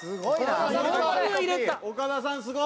頑張れ！岡田さんすごい！